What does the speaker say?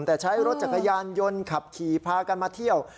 แต่ใช้รถจักรยานยนต์ขับขี่พากันมาเที่ยว